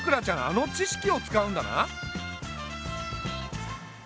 あの知識を使うんだな！